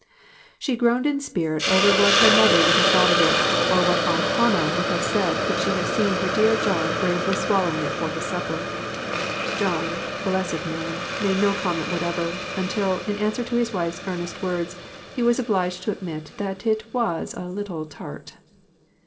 She groaned in spirit over what her mother would have thought of it, or what Aunt Hannah would have said could she have seen her dear John bravely swallowing it for his supper. John, blessed man, made no comment whatever, until, in answer to his wife's earnest words, he was obliged to admit that it was a little tart.